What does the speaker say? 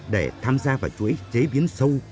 để tham gia vào chuỗi chế biến sâu